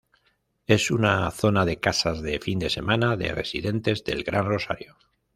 Es una zona de casas de fin de semana de residentes del Gran Rosario.